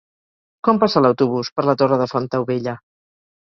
Quan passa l'autobús per la Torre de Fontaubella?